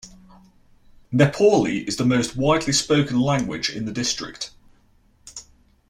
Nepali is the most widely spoken language in the district.